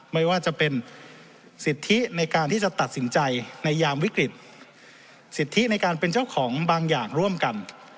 ไม่ว่าจะเป็นสิทธิในการที่จะตัดสินใจในยามวิกฤตสิทธิในการเป็นเจ้าของบางอย่างร่วมกัน